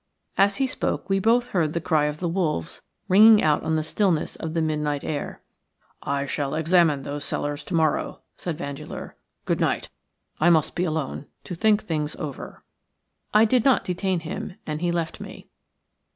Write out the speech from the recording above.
As he spoke we both heard the cry of the wolves ringing out on the stillness of the midnight air. "I shall examine those cellars to morrow," said Vandeleur. "Good night. I must be alone to think things over." I did not detain him, and he left me.